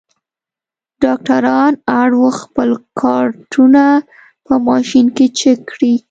ډاکټران اړ وو خپل کارټونه په ماشین کې چک کړي.